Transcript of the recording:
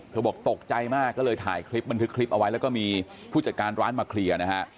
บอกตกใจมากก็เลยถ่ายคลิปบันทึกคลิปเอาไว้แล้วก็มีผู้จัดการร้านมาเคลียร์นะฮะ